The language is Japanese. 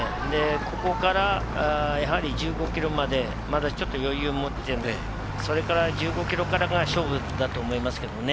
ここから１５ｋｍまで、まだちょっと余裕を持って、それから１５ｋｍからが勝負だと思いますけれどもね。